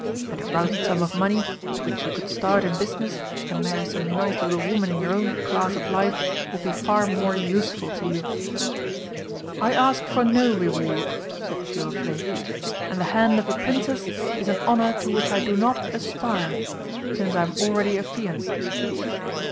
And a round sum of money with which you could start in business and marry some nice little woman in your own class of life would be far more useful to you." "I ask for no reward," said Giroflé. "And the hand of a Princess is an honour to which I do not aspire, since I am already affianced!"